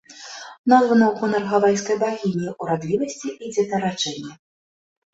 Названа ў гонар гавайскай багіні ўрадлівасці і дзетараджэння.